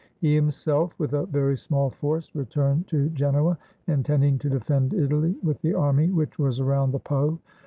He himself, with a very small force, returned to Genoa, intending to defend Italy with the army which was around the Po.